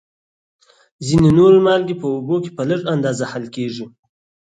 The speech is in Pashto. ځینې نورې مالګې په اوبو کې په لږ اندازه حل کیږي.